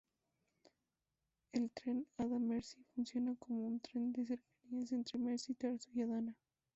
El tren Adana-Mersin funciona como un tren de cercanías entre Mersin, Tarso y Adana.